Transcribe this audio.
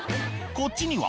こっちには。